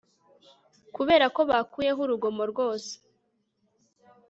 Kuberako bakuyeho urugomo rwose